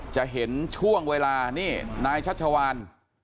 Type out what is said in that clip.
จะเห็นช่วงเวลานี่นายชัชวาน